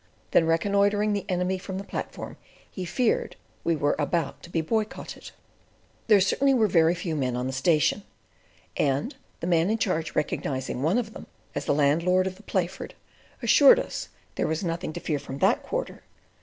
Then reconnoitring the enemy from the platform, he "feared" we were "about to be boycotted." There certainly were very few men on the station, and the Man in Charge recognising one of them as the landlord of the Playford, assured us there was nothing to fear from that quarter.